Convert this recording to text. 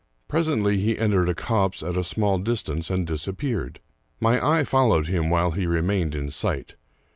Presently he entered a copse at a small dis tance, and disappeared. My eye followed him while he remained in sight.